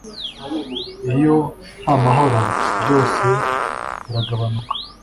iyo ntamahoro byose biragabanuka